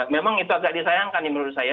memang itu agak disayangkan menurut saya